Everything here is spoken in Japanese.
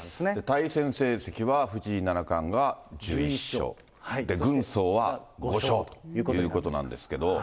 対戦成績は藤井七冠が１１勝、軍曹は５勝ということなんですけど。